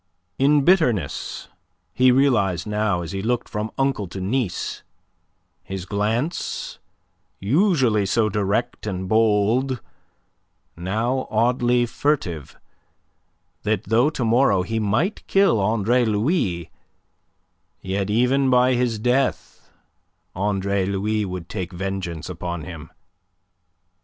In bitterness he realized now, as he looked from uncle to niece his glance, usually so direct and bold, now oddly furtive that though to morrow he might kill Andre Louis, yet even by his death Andre Louis would take vengeance upon him.